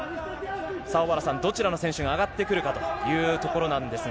小原さん、どちらの選手が上がってくるかというところなんですが。